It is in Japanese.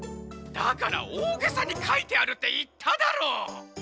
だからおおげさにかいてあるっていっただろう！